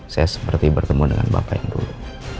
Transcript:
saya seperti bertemu dengan bapak yang dulu